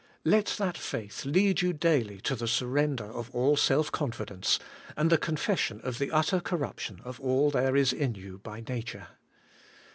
Let that faith 78 ABIDE IN CHRIST: lead you daily to the surrender of all self confidence, and the confession of the utter corruption of all there is in you by nature.